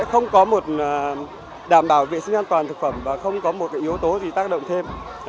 không có một đảm bảo vệ sinh an toàn thực phẩm và không có một yếu tố gì tác động thêm